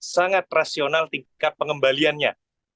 sangat rasional tingkat pengembaliannya